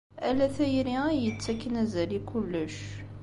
Ala tayri ay yettakfen azal i kullec.